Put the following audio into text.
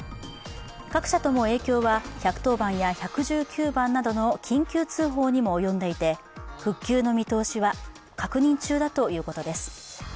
各社とも、影響は１１０番や１１９番などの緊急通報にも及んでいて、復旧の見通しは確認中だということです。